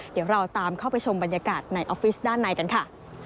เดี๋ยวเราตามเข้าไปชมบรรยากาศในออฟฟิศด้านในกันค่ะ